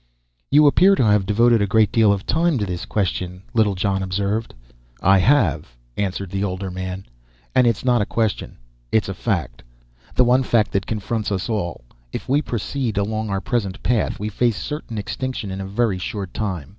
"You appear to have devoted a great deal of time to this question," Littlejohn observed. "I have," answered the older man. "And it is not a question. It is a fact. The one fact that confronts us all. If we proceed along our present path, we face certain extinction in a very short time.